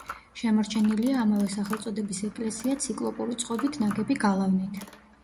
შემორჩენილია ამავე სახელწოდების ეკლესია ციკლოპური წყობით ნაგები გალავნით.